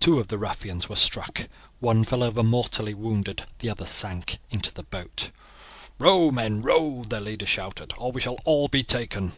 Two of the ruffians were struck one fell over mortally wounded, the other sank down into the boat. "Row, men, row," their leader shouted, "or we shall all be taken."